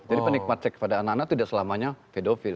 jadi penikmat seks pada anak anak tidak selamanya pedofil